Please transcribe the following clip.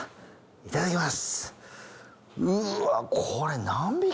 いただきます。